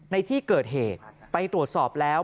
ในที่เกิดเหตุไปตรวจสอบแล้ว